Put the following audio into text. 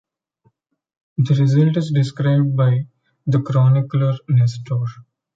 The result is described by the chronicler Nestor.